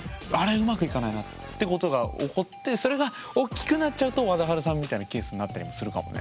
うまくいかないなってことが起こってそれがおっきくなっちゃうとわだはるさんみたいなケースになったりもするかもね。